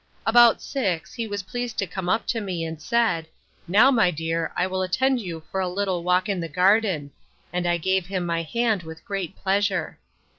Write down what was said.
About six, he was pleased to come up to me, and said, Now, my dear, I will attend you for a little walk in the garden; and I gave him my hand with great pleasure.